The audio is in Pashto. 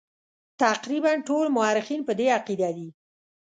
تقریبا ټول مورخین په دې عقیده دي.